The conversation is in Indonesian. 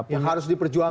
yang harus diperjuangkan